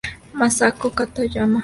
Masato Katayama